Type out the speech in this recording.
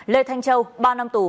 lê thanh châu ba năm tù